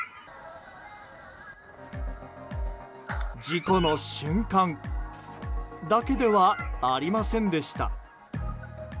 事故の瞬間だけではありませんでした。